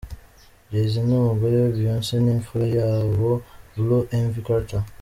Jay-Z n’umugore we Beyonce n’imfura yabo Blue Ivy Carter.